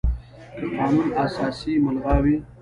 که قانون اساسي ملغا وي،